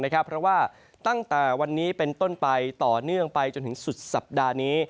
เพราะว่าตั้งแต่วันนี้เป็นต้นไปต่อเนื่องไปจนถึงสุดสัปดาห์นี้